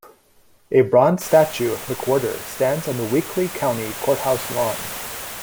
A bronze statue of McWherter stands on the Weakley County Courthouse lawn.